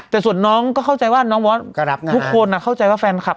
แต่ส่วนน้องก็เข้าใจว่าน้องมอสทุกคนเข้าใจว่าแฟนคลับ